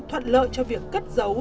thuận lợi cho việc cất dấu